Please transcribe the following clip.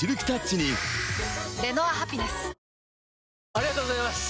ありがとうございます！